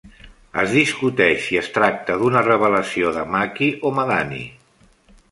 Es discuteix si es tracta d'una revelació de Makki o Madani.